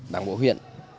đảng bộ huyện